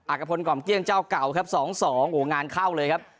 กระพลกล่อมเกลี้ยงเจ้าเก่าครับ๒๒โอ้งานเข้าเลยครับ